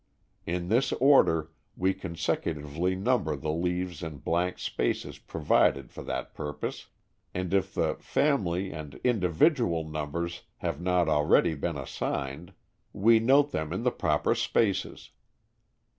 In this order, we consecutively number the leaves in blank spaces provided for that purpose, and if the "family" and "individual" numbers have not already been assigned, we note them in the proper spaces.